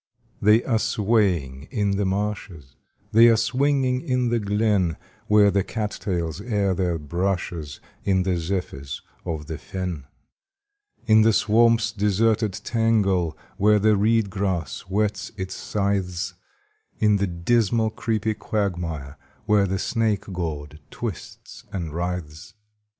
They are swaying in the marshes, They are swinging in the glen, Where the cat tails air their brushes In the zephyrs of the fen; In the swamp's deserted tangle, Where the reed grass whets its scythes; In the dismal, creepy quagmire, Where the snake gourd twists and writhes.